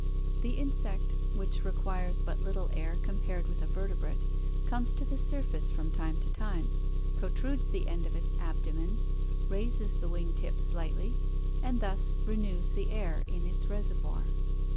The insect, which requires but little air compared with a vertebrate, comes to the surface from time to time, protrudes the end of its abdomen, raises the wing tips slightly, and thus renews the air in its reservoir.